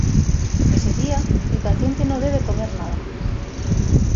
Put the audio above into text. Ese día, el paciente no debe comer nada.